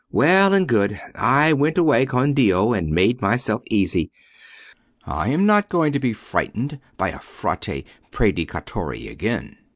Well and good: I went away con Dio, and made myself easy. I am not going to be frightened by a Frate Predicatore again.